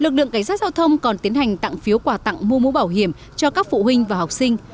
cảnh sát giao thông còn tiến hành tặng phiếu quà tặng mũ mũ bảo hiểm cho các phụ huynh và học sinh